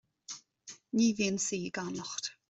Ní bhíonn saoi gan locht